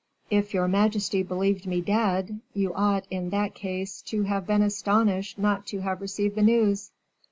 "If your majesty believed me dead, you ought, in that case, to have been astonished not to have received the news."